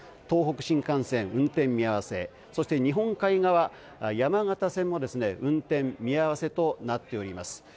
東北新幹線、運転見合わせ日本海側の山形線も運転見合わせとなっています。